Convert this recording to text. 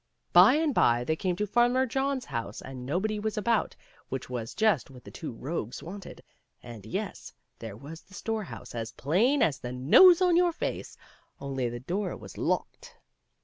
By and by they came to Farmer John's house, and nobody was about, which was just what the two rogues wanted ; and, yes, there was the storehouse as plain as the nose on your face, only the door was locked.